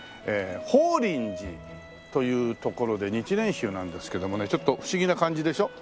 法輪寺という所で日蓮宗なんですけどもねちょっと不思議な感じでしょ？